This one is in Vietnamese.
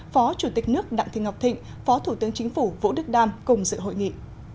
phó chủ tịch nước đặng thị ngọc thịnh phó thủ tướng chính phủ vũ đức đam cùng dự hội nghị